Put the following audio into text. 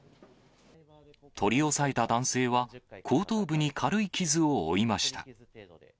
取り押さえた男性は、後頭部に軽い傷を負いました。